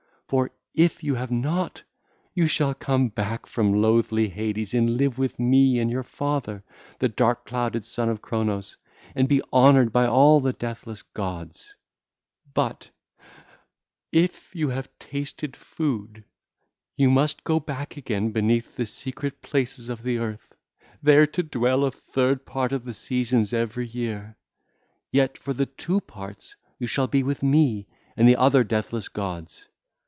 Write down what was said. For if you have not, you shall come back from loathly Hades and live with me and your father, the dark clouded Son of Cronos and be honoured by all the deathless gods; but if you have tasted food, you must go back again beneath the secret places of the earth, there to dwell a third part of the seasons every year: yet for the two parts you shall be with me and the other deathless gods.